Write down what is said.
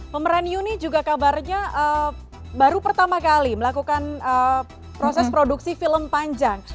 pemeran you ini juga kabarnya baru pertama kali melakukan proses produksi film panjang